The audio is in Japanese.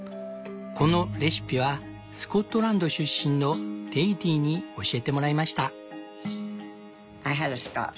このレシピはスコットランド出身のデイディに教えてもらいました」。